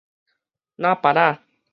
林菝仔